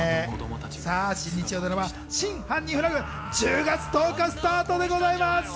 さぁ、新日曜ドラマ『真犯人フラグ』、１０月１０日スタートでございます。